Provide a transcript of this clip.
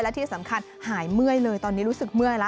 และที่สำคัญหายเมื่อยเลยตอนนี้รู้สึกเมื่อยแล้ว